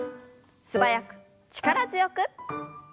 素早く力強く。